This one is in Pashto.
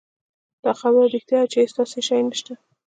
دا خبره رښتيا ده چې هېڅ داسې شی نشته.